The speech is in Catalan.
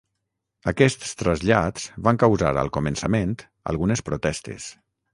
Aquests trasllats van causar, al començament, algunes protestes.